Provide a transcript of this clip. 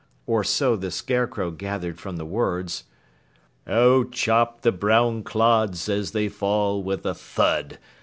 Or so the Scarecrow gathered from the words: "Oh, chop the brown clods as they fall with a thud!